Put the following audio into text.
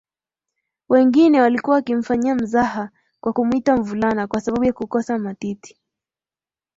Wengine walikuwa wakimfanyia mzaha kwa kumuita mvulana kwa sababu ya kukosa matiti